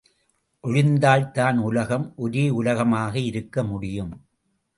ஒழிந்தால் தான் உலகம் ஒரேயுலகமாக இருக்க முடியும்.